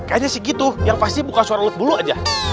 kayaknya sih gitu yang pasti bukan suara lut bulu aja